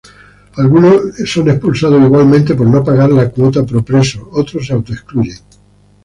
Algunos son expulsados igualmente por no pagar la cuota pro-presos, otros se auto-excluyen.